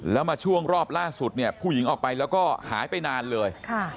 แล้วมาช่วงรอบล่าสุดเนี่ยผู้หญิงออกไปแล้วก็หายไปนานเลย